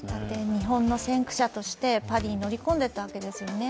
日本の先駆者としてパリに乗り込んでいったわけですよね。